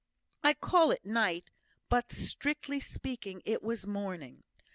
I call it night; but, strictly speaking, it was morning.